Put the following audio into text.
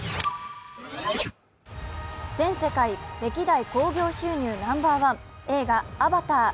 全世界歴代興行収入ナンバーワン映画「アバター」